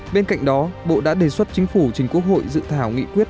bên cạnh đó bộ đã đề xuất chính phủ trình quốc hội dự thảo nghị quyết